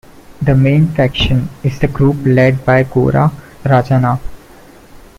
The main faction is the group led by Koora Rajanna.